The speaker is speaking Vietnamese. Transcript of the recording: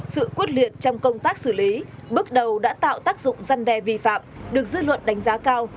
sự quất liệt trong công tác xử lý bước đầu đã tạo tác dụng dân đề vi phạm được dư luận đánh giá cao